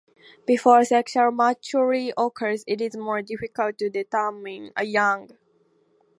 Before sexual maturity occurs, it is more difficult to determine a young hamster's sex.